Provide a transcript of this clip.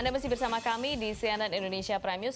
anda masih bersama kami di cnn indonesia prime news